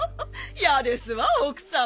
嫌ですわ奥さま。